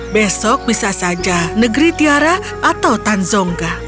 besok bisa saja negeri tiara atau tanzongga